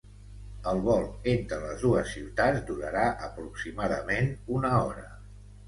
El vol entre les dues ciutats durarà aproximadament una hora.